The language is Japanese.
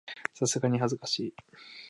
さすがに恥ずかしい